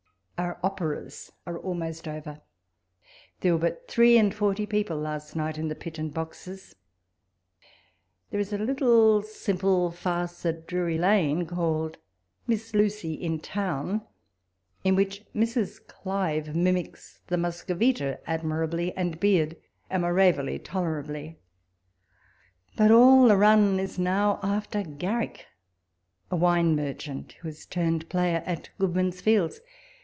Our operas are almost over ; there were but three and forty people last night in the pit and boxes. There is a little simple WALPOLE S LETTERS. 25 farce at Dim y Lane, called " Miss Luc}^ in To\yn,'' in which Airs. Clive mimics the Mus covita admirably, and Beard, Amorevoli toler ably. But all the run is now after Garrick, a wine merchant, who is turned player, at Good man's fields.